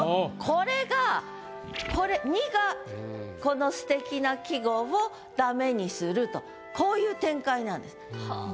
これがこれ「に」がこのすてきな季語をダメにするとこういう展開なんです。